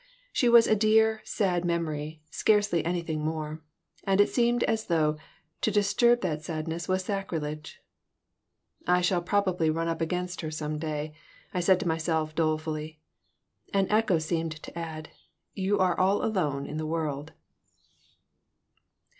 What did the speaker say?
She was a dear, sad memory scarcely anything more, and it seemed as though to disturb that sadness were sacrilege "I shall probably run up against her some day," I said to myself, dolefully And an echo seemed to add, "You are all alone in the world!"